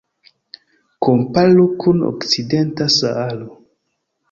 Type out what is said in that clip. Komparu kun Okcidenta Saharo.